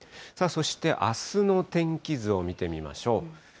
そしてあすの天気図を見てみましょう。